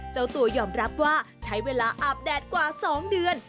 เจ้าตัวยอมรับว่าใช้เวลาอาบแดดกว่า๒เดือน